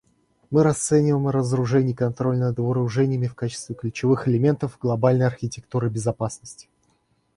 Мы расцениваем разоружение и контроль над вооружениями в качестве ключевых элементов глобальной архитектуры безопасности.